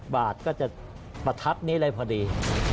บาทก็จะประทัดนี้เลยพอดี